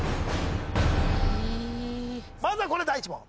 まずはこれ第１問。